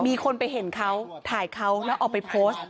มีคนไปเห็นเขาถ่ายเขาแล้วเอาไปโพสต์